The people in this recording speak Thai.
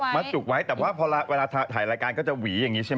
มัดจุกไว้แต่เมื่อถ่ายแรกการเรายังจะหวีซี้